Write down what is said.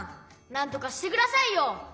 なんとかしてくださいよ！